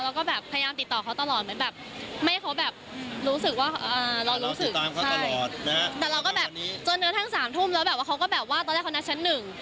แล้วก็แบบพยายามติดต่อเขาตลอดเหมือนแบบไม่ให้เขาแบบรู้สึกว่าเรารู้สึกใช่แต่เราก็แบบจนกระทั่งสามทุ่มแล้วแบบว่าเขาก็แบบว่าตอนแรกเขานัดชั้นหนึ่ง